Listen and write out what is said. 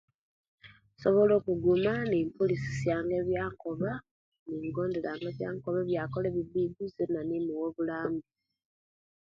Nsobola okuguma nipulisisyanga ebyankobo ningondelanga ekyankoba ebya'kola ebibi Zena nimuwa obulambi